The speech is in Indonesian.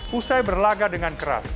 pusai berlaga dengan keras